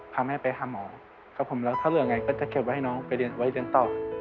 พาแม่ไปหาหมอครับผมแล้วถ้าเหลือไงก็จะเก็บไว้ให้น้องไปเรียนไว้เรียนต่อ